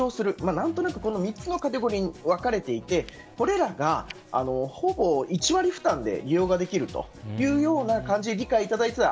何となく、この３つのカテゴリーに分かれていてこれらがほぼ１割負担で利用ができるというような感じで理解いただけたら。